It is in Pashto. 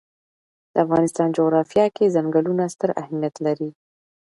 د افغانستان جغرافیه کې ځنګلونه ستر اهمیت لري.